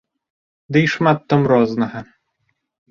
Ды і шмат там рознага.